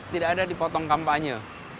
tidak ada dipotong kampanye